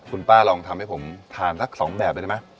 คุณป้าลองทำให้ผมทานสัก๒แบบเลยได้ไหม